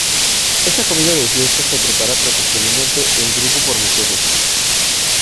Esta comida de fiesta se prepara tradicionalmente en grupo por mujeres.